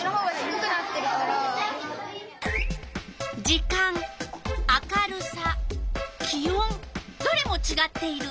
時間明るさ気温どれもちがっている。